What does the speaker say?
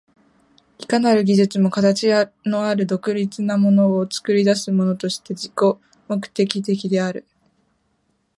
いかなる技術も形のある独立なものを作り出すものとして自己目的的である。